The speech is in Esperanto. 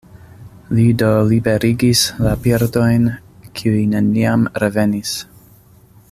Li do liberigis la birdojn, kiuj neniam revenis.